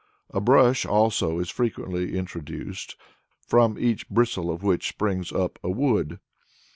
A brush, also, is frequently introduced, from each bristle of which springs up a wood.